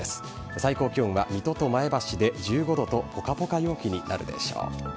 最高気温は水戸と前橋で１５度と、ぽかぽか陽気になるでしょう。